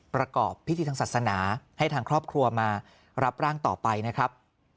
ประกอบพิธีทางศาสนาให้ทางครอบครัวมารับร่างต่อไปนะครับ